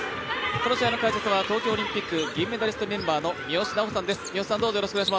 この試合の解説は東京オリンピック銀メダルメンバー三好南穂さんです。